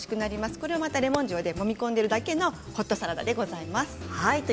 これも、またレモン塩でもみ込んでいるだけのホットサラダになります。